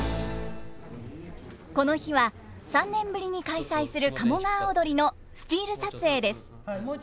この日は３年ぶりに開催する「鴨川をどり」のスチール撮影です。